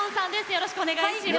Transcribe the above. よろしくお願いします。